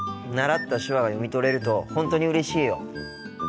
習った手話が読み取れると本当にうれしいよ。